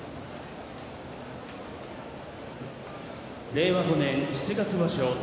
令和５年七月場所